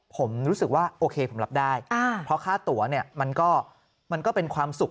ผมรู้สึกว่าโอเคผมรับได้เพราะค่าตัวเนี่ยมันก็เป็นความสุข